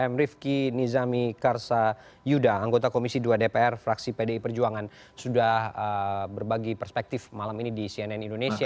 m rifki nizami karsa yuda anggota komisi dua dpr fraksi pdi perjuangan sudah berbagi perspektif malam ini di cnn indonesia